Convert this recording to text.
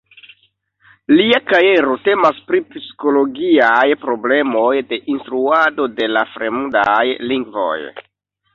Lia kajero temas pri psikologiaj problemoj de instruado de la fremdaj lingvoj.